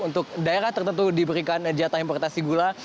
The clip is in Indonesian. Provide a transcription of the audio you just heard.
untuk daerah tertentu diberikan jatah importasi gula